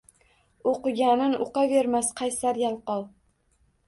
Oʼqiganin uqavermas qaysar, yalqov